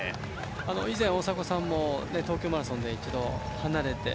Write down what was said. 以前、大迫さんも東京マラソンで一度、離れて。